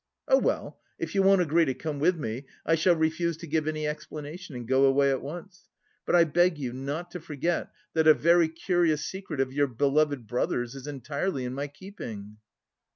Oh well, if you won't agree to come with me, I shall refuse to give any explanation and go away at once. But I beg you not to forget that a very curious secret of your beloved brother's is entirely in my keeping."